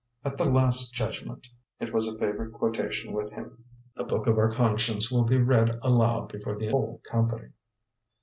"At the last judgment" it was a favorite quotation with him "the book of our conscience will be read aloud before the whole company."